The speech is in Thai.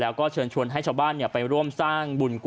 แล้วก็เชิญชวนให้ชาวบ้านไปร่วมสร้างบุญกุ